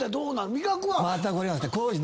味覚は？